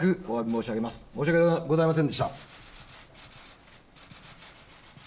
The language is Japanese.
申し訳ございませんでした。